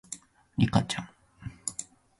リカちゃん